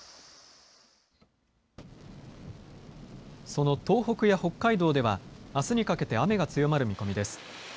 その東北や北海道ではあすにかけて雨が強まる見込みです。